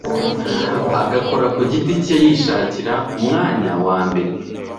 agakora ku giti cye yishakira umwanya wa mbere,